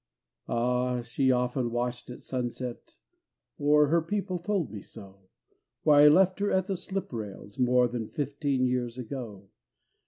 Ah! she often watched at sunset For her people told me so Where I left her at the slip rails More than fifteen years ago.